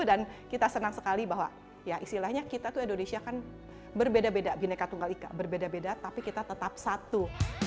dan kita senang sekali bahwa istilahnya kita itu indonesia kan berbeda beda bineka tunggal ika berbeda beda tapi kita tetap satu